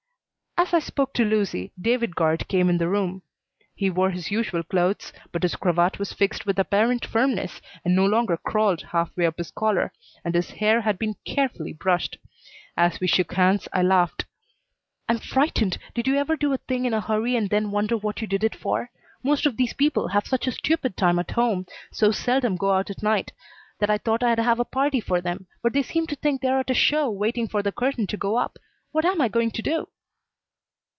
As I spoke to Lucy, David Guard came in the room. He wore his usual clothes, but his cravat was fixed with apparent firmness and no longer crawled half way up his collar, and his hair had been carefully brushed. As we shook hands I laughed. "I'm frightened. Did you ever do a thing in a hurry and then wonder what you did it for? Most of these people have such a stupid time at home, so seldom go out at night, that I thought I'd have a party for them, but they seem to think they're at a show waiting for the curtain to go up. What am I going to do?"